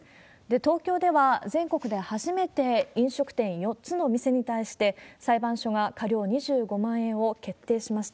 東京では全国で初めて飲食店４つの店に対して、裁判所が過料２５万円を決定しました。